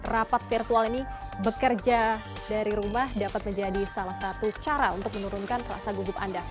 rapat virtual ini bekerja dari rumah dapat menjadi salah satu cara untuk menurunkan rasa gugup anda